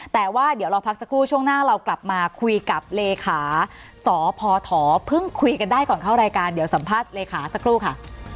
แต่ว่าเดี๋ยวเราพักสักครู่ช่วงหน้าเรากลับมาคุยกับเลขาสพเพิ่งคุยกันได้ก่อนเข้ารายการเดี๋ยวสัมภาษณ์เลขาสักครู่ค่ะ